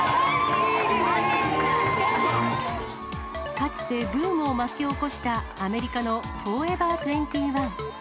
かつてブームを巻き起こした、アメリカのフォーエバー２１。